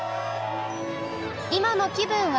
今の気分は？